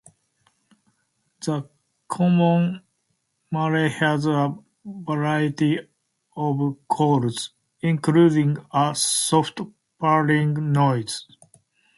The common murre has a variety of calls, including a soft purring noise.